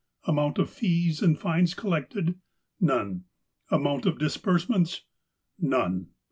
'' Amount of fees and fines collected ? None." '' Amount of disbursements ? None.